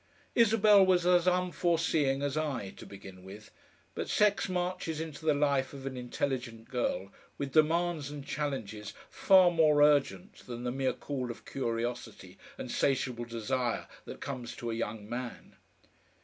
Isabel was as unforeseeing as I to begin with, but sex marches into the life of an intelligent girl with demands and challenges far more urgent than the mere call of curiosity and satiable desire that comes to a young man.